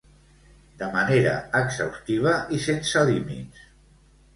De manera exhaustiva i sense límits.